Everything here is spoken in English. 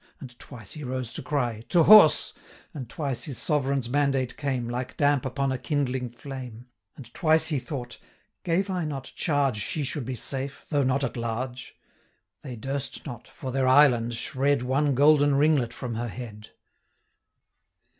And twice he rose to cry, 'To horse!' And twice his Sovereign's mandate came, Like damp upon a kindling flame; And twice he thought, 'Gave I not charge 300 She should be safe, though not at large? They durst not, for their island, shred One golden ringlet from her head.'